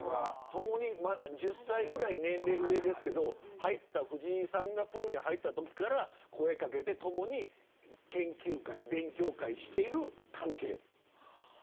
共に１０歳ぐらい年齢が上ですけど藤井さんがプロに入ったときから声を掛けて共に研究会勉強会をしている関係。